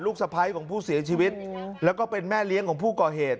สะพ้ายของผู้เสียชีวิตแล้วก็เป็นแม่เลี้ยงของผู้ก่อเหตุ